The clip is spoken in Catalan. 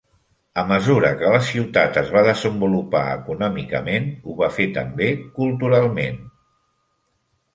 A mesura que la ciutat es va desenvolupar econòmicament, ho va fer també culturalment.